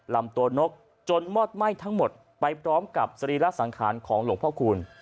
ลำตัวนกจนมอดไหม้ทั้งหมดไปพร้อมกับสรีระสังขารของหลวงพ่อคูณ